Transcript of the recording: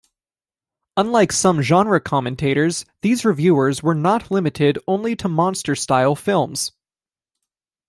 Unlike some genre commentators, these reviewers were not limited only to monster-style films.